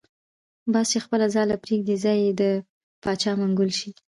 باز چی خپله ځاله پریږدی ځای یی دباچا منګول شی .